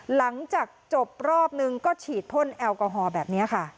หลังจากจบรอบนึงก็ฉีดพ่นแอลกอฮอล์แบบนี้ค่ะ